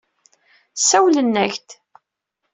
Sawlen-ak-d.